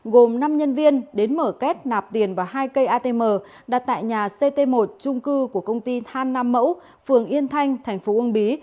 gồm năm nhân viên đến mở két nạp tiền vào hai cây atm đặt tại nhà ct một trung cư của công ty than nam mẫu phường yên thành phố uông bí